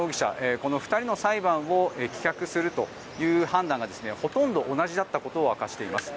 この２人の裁判を棄却するという判断がほとんど同じだったことを明かしています。